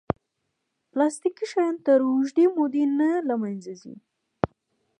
پلاستيکي شیان تر اوږدې مودې نه له منځه ځي.